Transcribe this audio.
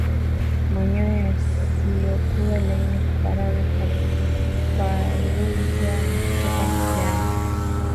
Manyoya yasiyokuwa laini kuparara kuparuza na kutoka mkiani